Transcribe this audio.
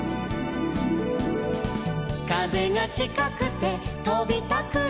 「風がちかくて飛びたくなるの」